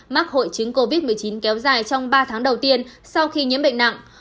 mắc hội chứng covid một mươi chín kéo dài trong ba tháng đầu tiên sau khi nhiễm bệnh nặng